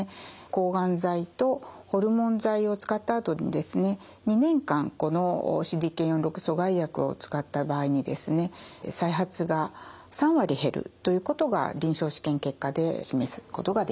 抗がん剤とホルモン剤を使ったあとにですね２年間このＣＤＫ４／６阻害薬を使った場合にですね再発が３割減るということが臨床試験結果で示すことができました。